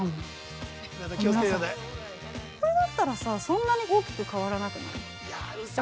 これだったらさ、そんなに大きく変わらなくない？